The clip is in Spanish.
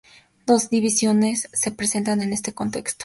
Dos visiones se expresan en este contexto.